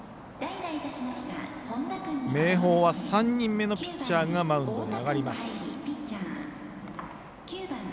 明豊は３人目のピッチャーがマウンドに上がります。